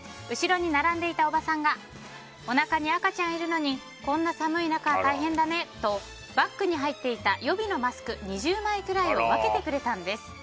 後ろに並んでいたおばさんがおなかに赤ちゃんいるのにこんな寒い中、大変だねとバッグに入っていた予備のマスク２０枚くらいを分けてくれたんです。